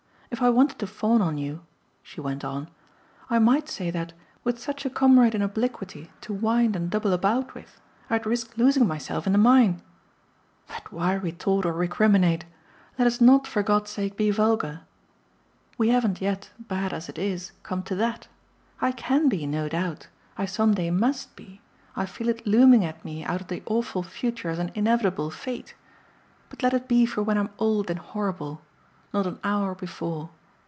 If I wanted to fawn on you," she went on, "I might say that, with such a comrade in obliquity to wind and double about with, I'd risk losing myself in the mine. But why retort or recriminate? Let us not, for God's sake, be vulgar we haven't yet, bad as it is, come to THAT. I CAN be, no doubt I some day MUST be: I feel it looming at me out of the awful future as an inevitable fate. But let it be for when I'm old and horrible; not an hour before.